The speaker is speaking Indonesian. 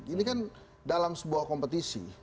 ini kan dalam sebuah kompetisi